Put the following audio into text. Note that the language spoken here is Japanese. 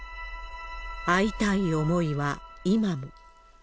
会いたい思いは今も。